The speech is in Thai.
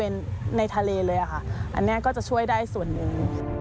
อันนี้ก็จะช่วยได้ส่วนหนึ่ง